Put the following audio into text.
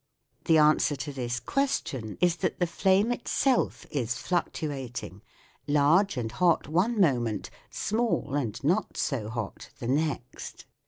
The answer to this question is that the flame itself is fluctuating, large and hot one moment, small and not so hot the next.